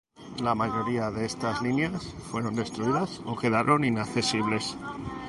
La mayoría de estas líneas fueron destruidas o quedaron inaccesibles.